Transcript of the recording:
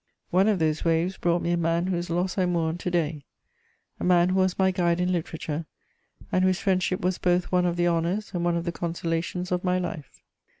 One of those waves brought me a man whose loss I mourn to day, a man who was my guide in literature, and whose friendship was both one of the honours and one of the consolations of my life.